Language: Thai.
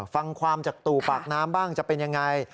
ฟังความจากตู่ปากน้ำบ้างจะเป็นยังไง